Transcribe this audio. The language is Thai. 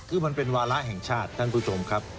คือมันเป็นวาระแห่งชาติท่านผู้ชมครับ